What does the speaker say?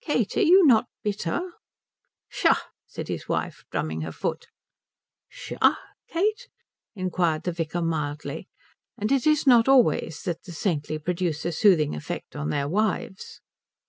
"Kate, are you not bitter?" "Psha," said his wife, drumming her foot. "Psha, Kate?" inquired the vicar mildly; and it is not always that the saintly produce a soothing effect on their wives.